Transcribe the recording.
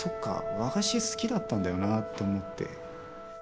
和菓子好きだったんだよなと思って。